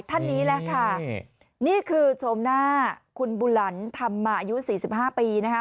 ท่านนี้แหละค่ะนี่คือชมหน้าคุณบุหลันธรรมมาอายุสี่สิบห้าปีนะคะ